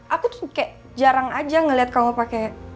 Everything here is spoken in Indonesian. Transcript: aku tuh kayak jarang aja ngeliat kamu pakai